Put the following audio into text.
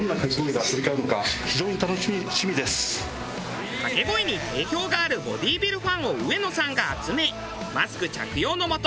かけ声に定評があるボディビルファンを上野さんが集めマスク着用のもと